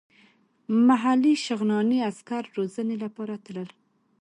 محلي شغناني عسکر روزنې لپاره تلل.